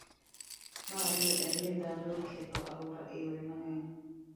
Mar ariyo en ni, dhano ketho alwora e yore mang'eny.